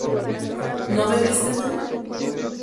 ¿no bebiste tú?